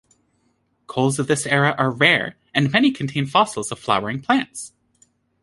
Coals of this era are rare, and many contain fossils of flowering plants.